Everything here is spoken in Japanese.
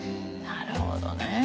なるほどね。